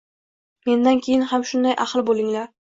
Mendan keyin ham shunday ahil boʻlinglar.